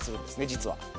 実は。